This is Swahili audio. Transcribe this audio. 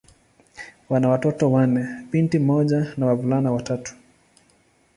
Wana watoto wanne: binti mmoja na wavulana watatu.